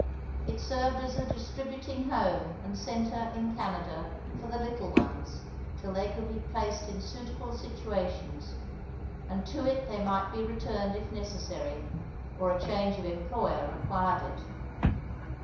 It served as a "Distributing Home" and centre in Canada for the little ones till they could be placed in suitable situations, and to it they might be returned if necessary, or a change of employer required it.